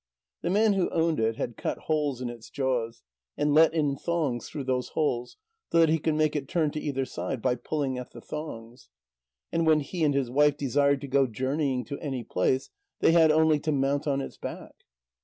The man who owned it had cut holes in its jaws, and let in thongs through those holes, so that he could make it turn to either side by pulling at the thongs. And when he and his wife desired to go journeying to any place, they had only to mount on its back.